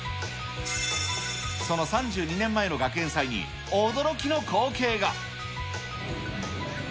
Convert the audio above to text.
その３２年前の学園祭に驚きの光景が。